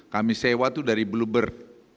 kami sewa itu dari bluebird